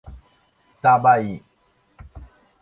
Tabaí